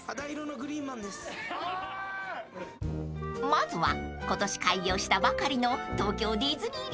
［まずは今年開業したばかりの東京ディズニー